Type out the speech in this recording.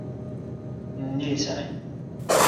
ni li seme?